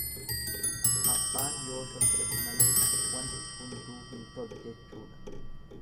Abbaan yoo socho'e malee wanti hunduu hin tolu jechuudha.